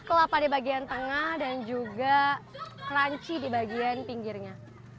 kelapa di bagian tengah dan juga crunchy di bagian pinggirnya